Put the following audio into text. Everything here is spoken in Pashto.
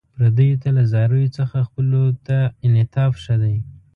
پردیو ته له زاریو څخه خپلو ته انعطاف ښه دی.